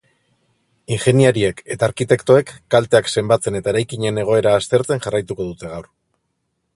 Ingeniariek eta arkitektoek kalteak zenbatzen eta eraikinen egoera aztertzen jarraituko dute gaur.